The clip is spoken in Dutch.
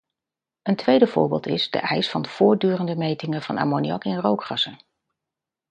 Een tweede voorbeeld is de eis van voortdurende metingen van ammoniak in rookgassen.